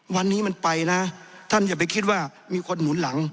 วันนี้มันไปนะท่านอย่าไปคิดว่ามีคนหมุนหลัง